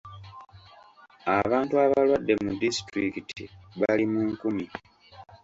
Abantu abalwadde mu disitulikiti bali mu nkumi.